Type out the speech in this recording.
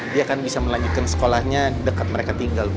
dia akan bisa melanjutkan sekolahnya dekat mereka tinggal